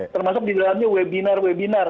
termasuk di dalamnya webinar webinar